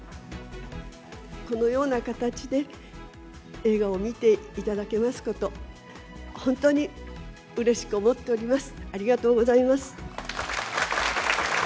このような形で映画を見ていただけますこと、本当にうれしく思っております。